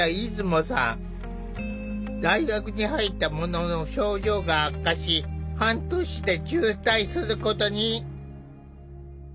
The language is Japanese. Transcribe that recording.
大学に入ったものの症状が悪化し半年で中退することに。